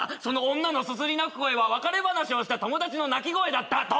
その女のすすり泣く声は別れ話をした友達の泣き声だった。